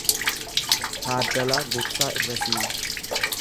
Taaddalaa Gugsaa Irrasii